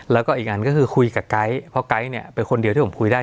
แล้วก็อีกอันก็คือคุยกับไก๊เพราะไก๊เนี่ยเป็นคนเดียวที่ผมคุยได้